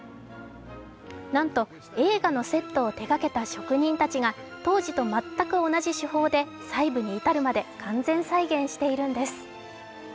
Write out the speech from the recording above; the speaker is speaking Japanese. なんと映画のセットを手がけた職人たちが当時と全く同じ手法で細部に至るまで完全再現しているんです。